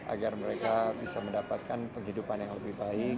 agar mereka bisa mendapatkan penghidupan yang lebih baik